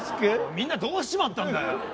みんなどうしちまったんだよ？